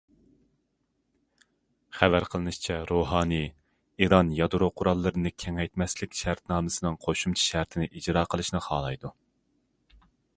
خەۋەر قىلىنىشىچە، روھانىي: ئىران يادرو قوراللىرىنى كېڭەيتمەسلىك شەرتنامىسىنىڭ قوشۇمچە شەرتىنى ئىجرا قىلىشنى خالايدۇ.